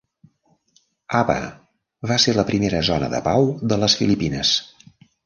Haba va ser la primera Zona de Pau de les Filipines.